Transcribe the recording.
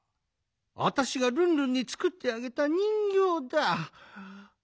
あたしがルンルンにつくってあげたにんぎょうだ！